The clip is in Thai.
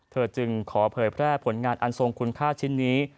เธอจึงขอเผยแพร่ผลงานอันทรงคุณค่าชิ้นนี้